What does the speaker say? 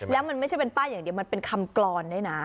แล้วมันไม่ใช่เป็นป้ายอย่างเดียวมันเป็นคำกรอนด้วยนะ